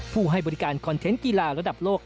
ให้บริการคอนเทนต์กีฬาระดับโลก